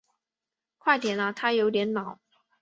快点啊他有点恼